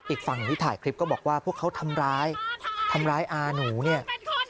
อีกฝั่งที่ถ่ายคลิปก็บอกว่าพวกเขาทำร้ายทำร้ายอาหนูเนี่ย